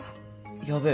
やべえ。